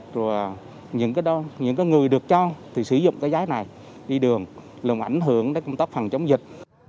rồi những người được cho thì sử dụng cái giá này đi đường làm ảnh hưởng đến công tác phòng chống dịch